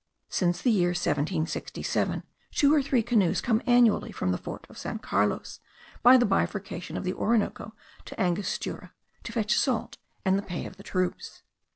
Since the year 1767, two or three canoes come annually from the fort of San Carlos, by the bifurcation of the Orinoco to Angostura, to fetch salt and the pay of the troops.